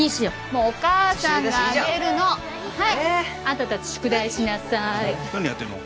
もうお母さんがあげるのはいあんたたち宿題しなさい何やってんの？